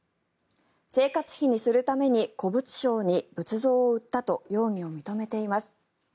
生活費にするために古物商に仏像を売ったと容疑を認めています。